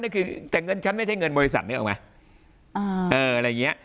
นั่นคือแต่เงินฉันไม่ใช่เงินบริษัทนึกออกไหมอะไรอย่างเงี้ย